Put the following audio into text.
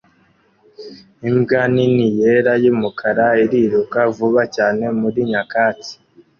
Imbwa nini yera n'umukara iriruka vuba cyane muri nyakatsi